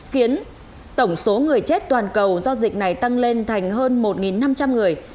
khiến tổng số người chết toàn cầu do dịch này tăng lên thành hơn một năm trăm linh người